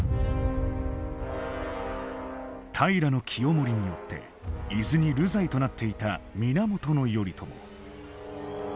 平清盛によって伊豆に流罪となっていた源頼朝。